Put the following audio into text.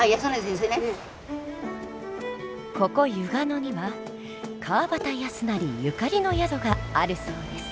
野には川端康成ゆかりの宿があるそうです。